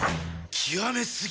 極め過ぎ！